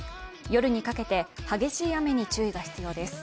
夜にかけて激しい雨に注意が必要です。